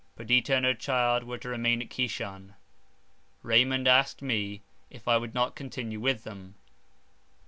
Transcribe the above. Perdita and her child were to remain at Kishan. Raymond asked me, if I would not continue with them.